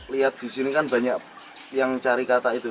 lihat disini kan banyak yang cari katak itu